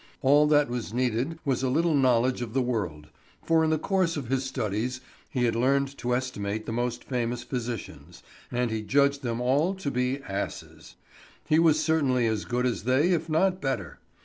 All that was needed was a little knowledge of the world; for in the course of his studies he had learned to estimate the most famous physicians, and he judged them all to be asses. He was certainly as good as they, if not better.